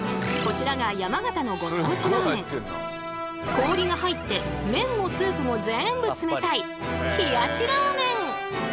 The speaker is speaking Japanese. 氷が入って麺もスープも全部冷たい「冷やしラーメン」。